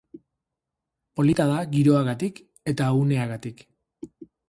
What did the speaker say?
Polita da, giroagatik eta uneagatik.